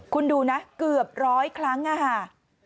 คุณดูนะเกือบ๑๐๐ครั้งอะฮะ